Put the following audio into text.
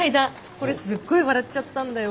これすっごい笑っちゃったんだよ。